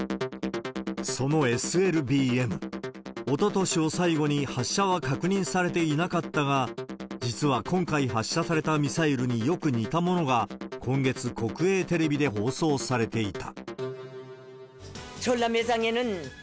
そのＳＬＢＭ、おととしを最後に発射は確認されていなかったが、実は今回、発射されたミサイルによく似たものが、今月、国営テレビで放送されていた。